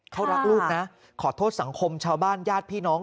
เขารักลูกนะขอโทษสังคมชาวบ้านญาติพี่น้อง